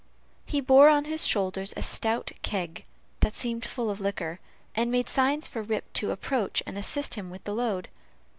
He bore on his shoulders a stout keg, that seemed full of liquor, and made signs for Rip to approach and assist him with the load.